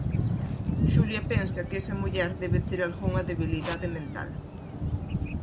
Xulia pensa que esa muller debe ter algunha debilidade mental.